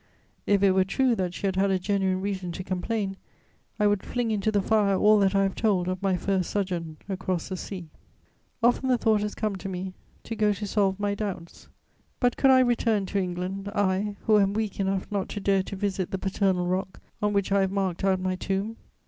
If it were true that she had had a genuine reason to complain, I would fling into the fire all that I have told of my first sojourn across the sea. Often the thought has come to me to go to solve my doubts; but could I return to England, I, who am weak enough not to dare to visit the paternal rock on which I have marked out my tomb?